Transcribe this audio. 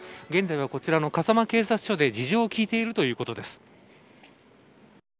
現在は、こちらの笠間警察署で事情を聴いているということです。